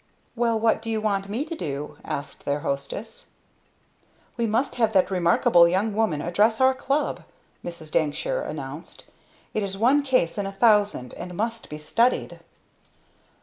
"Well, what do you want me to do?" asked their hostess. "We must have that remarkable young woman address our club!" Mrs. Dankshire announced. "It is one case in a thousand, and must be studied!"